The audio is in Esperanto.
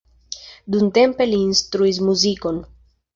Dumtempe li instruis muzikon.